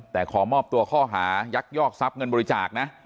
แต่ขอมอบตัวข้อหายักยอกทรัพย์เงินบริจาคนะ